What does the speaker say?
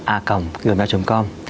a còng gmail com